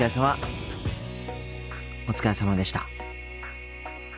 お疲れさまでした。